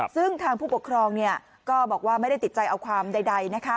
ซึ่งทางผู้ปกครองก็บอกว่าไม่ได้ติดใจเอาความใด